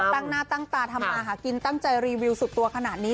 ตั้งหน้าตั้งตาทำมาหากินตั้งใจรีวิวสุดตัวขนาดนี้